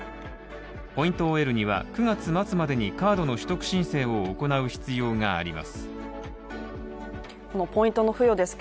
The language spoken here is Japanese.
ポイントを得るには９月末までにカードの取得申請を行う必要があります。